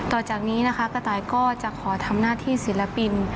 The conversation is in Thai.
ต่อจากนี้นะคะกระต่ายก็จะขอทำหน้าที่ศิลปิน